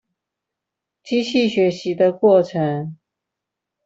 機器學習的過程